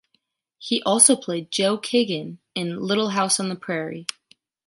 He also played Joe Kagan in “Little House on the Prairie.”